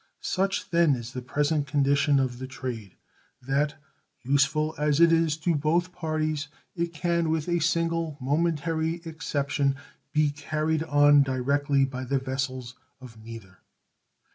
Such, then is the present condition of the trade that, useful as it is to both parties it can, with a single momentary exception, be carried on directly by the vessels of neither.